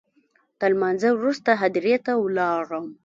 تر لمانځه وروسته هدیرې ته ولاړم.